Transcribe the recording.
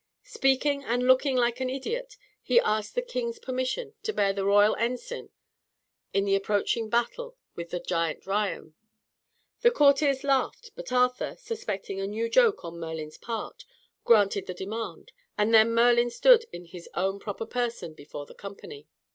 Speaking and looking like an idiot, he asked the king's permission to bear the royal ensign in the approaching battle with the giant Rion. The courtiers laughed, but Arthur, suspecting a new joke on Merlin's part, granted the demand, and then Merlin stood in his own proper person before the company.